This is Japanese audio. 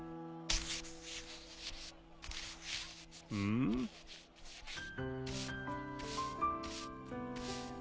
んっ？